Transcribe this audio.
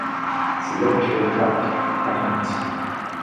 C’est l’actuel parc Parmentier.